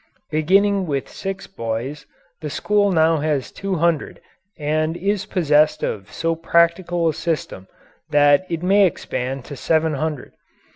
Beginning with six boys the school now has two hundred and is possessed of so practical a system that it may expand to seven hundred.